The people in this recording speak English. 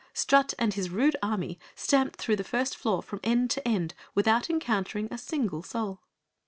Strut and his rude army stamped through the first floor from end to end without encountering a single soul.